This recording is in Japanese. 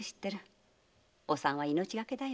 お産は命がけだよ。